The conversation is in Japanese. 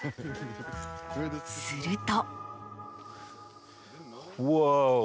すると。